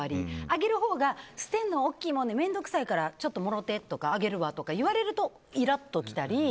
あげるほうが、捨てるの大きいもので面倒くさいからちょっともろてとかあげるとか言われるとイラッときたり。